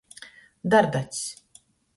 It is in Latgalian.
Dardacs.